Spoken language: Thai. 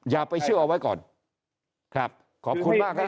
อย่าไปเชื่อเอาไว้ก่อนครับขอบคุณมากครับ